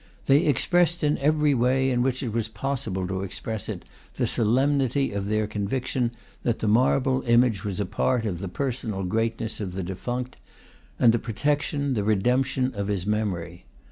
They expressed in every way in which it was possible to express it the solemnity, of their conviction that the Marble image was a part of the personal greatness of the defunct, and the protection, the re demption, of his memory.